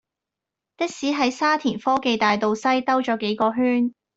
的士喺沙田科技大道西兜左幾個圈